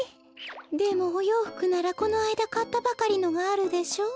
でもおようふくならこのあいだかったばかりのがあるでしょ？